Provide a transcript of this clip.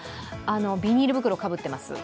ビニール袋かぶってます。